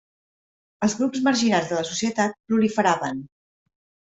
Els grups marginats de la societat proliferaven.